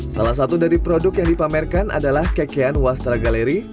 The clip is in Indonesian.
salah satu dari produk yang dipamerkan adalah kekian wasra gallery